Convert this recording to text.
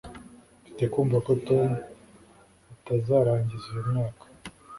mfite kumva ko tom atazarangiza uyu mwaka